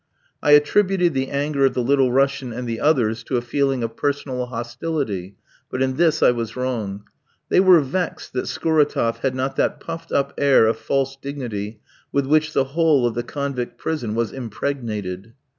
I attributed the anger of the Little Russian and the others to a feeling of personal hostility, but in this I was wrong. They were vexed that Scuratoff had not that puffed up air of false dignity with which the whole of the convict prison was impregnated.